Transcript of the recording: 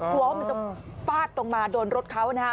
กลัวว่ามันจะป้าดตรงมาโดนรถเขา